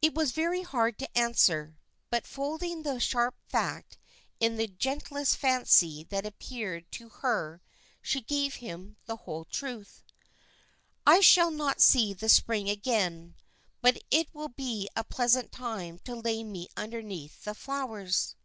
It was very hard to answer, but folding the sharp fact in the gentlest fancy that appeared to her she gave him the whole truth. "I shall not see the spring again, but it will be a pleasant time to lay me underneath the flowers."